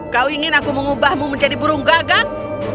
kau ingin aku mengubahmu menjadi burung gagak